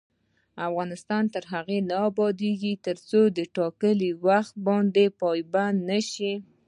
افغانستان تر هغو نه ابادیږي، ترڅو ټاکلي وخت ته پابند نشو.